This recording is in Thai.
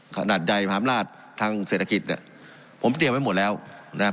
ขนาดใหญ่มหาอำนาจทางเศรษฐกิจเนี่ยผมเตรียมไว้หมดแล้วนะครับ